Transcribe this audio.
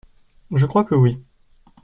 Je crois que oui.